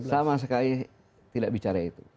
sama sekali tidak bicara itu